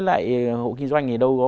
đối với lại hộ kinh doanh thì đâu có